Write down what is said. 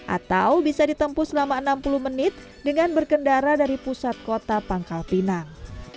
atau bisa ditempuh selama enam puluh menit dengan berkendara dari pusat kota pangkal pinang